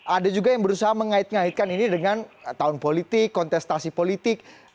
ada juga yang berusaha mengait ngaitkan ini dengan tahun politik kontestasi politik